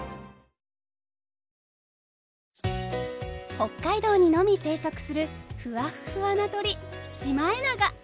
北海道にのみ生息するふわっふわな鳥シマエナガ。